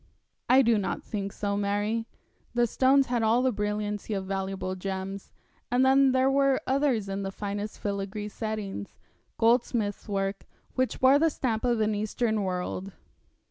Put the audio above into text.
'I do not think so, Mary. The stones had all the brilliancy of valuable gems, and then there were others in the finest filagree settings goldsmith's work which bore the stamp of an Eastern world.